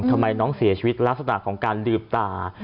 ทำไมน้องเสียชีวิตลักษณะของการดื่มตา